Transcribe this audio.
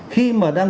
khi mà đang